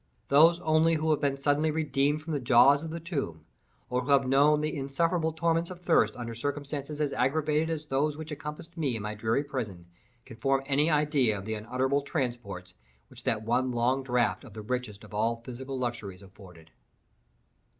Those only who have been suddenly redeemed from the jaws of the tomb, or who have known the insufferable torments of thirst under circumstances as aggravated as those which encompassed me in my dreary prison, can form any idea of the unutterable transports which that one long draught of the richest of all physical luxuries afforded.